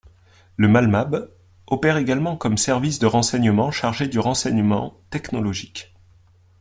Le Malmab opère également comme service de renseignement chargé du renseignement technologique.